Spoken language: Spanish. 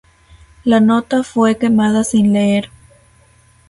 La nota fue quemada sin leer.